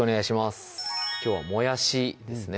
きょうはもやしですね